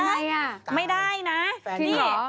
เธอนี่ย่ง